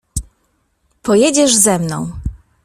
Pojedziesz ze mną!